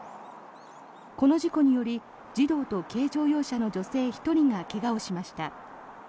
この事故により児童と軽乗用車の女性１人が怪我をしました。